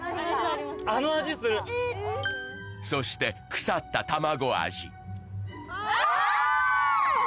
そして腐った卵味あ！